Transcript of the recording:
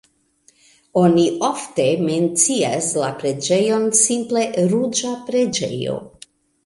Oni ofte mencias la preĝejon simple "ruĝa preĝejo".